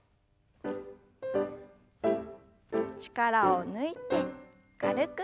力を抜いて軽く。